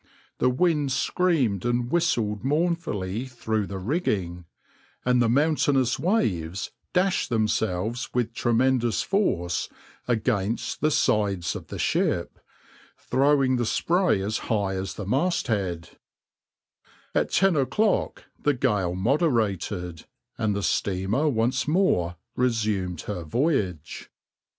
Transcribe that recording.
The wind screamed and whistled mournfully through the rigging, and the mountainous waves dashed themselves with tremendous force against the sides of the ship, throwing the spray as high as the masthead At ten o'clock the gale moderated, and the steamer once more resumed her voyage.